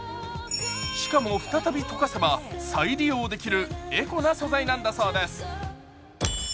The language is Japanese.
しかも再び溶かせば、再利用できるエコな素材なんだそうです。